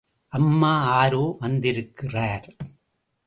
அம்மா ஆரோ வந்திருக்கிறார்.